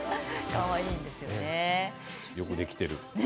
よくできている。